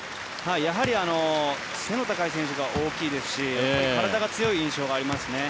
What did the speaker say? やはり背の高い選手が多いですし体が強い印象がありますね。